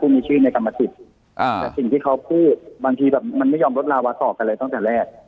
มีชื่อในกรรมสิทธิ์แต่สิ่งที่เขาพูดบางทีแบบมันไม่ยอมลดลาวาต่อกันเลยตั้งแต่แรก